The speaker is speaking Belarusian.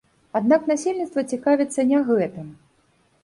Аднак насельніцтва цікавіцца не гэтым.